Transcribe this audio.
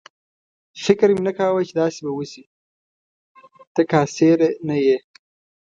فکر مې نه کاوه چې داسې به وشي، ته کاسېره نه یې.